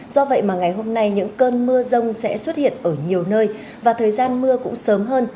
do vậy mà ngày hôm nay những cơn mưa rông sẽ xuất hiện ở nhiều nơi và thời gian mưa cũng sớm hơn